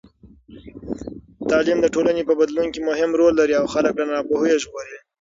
تعلیم د ټولنې په بدلون کې مهم رول لري او خلک له ناپوهۍ ژغوري.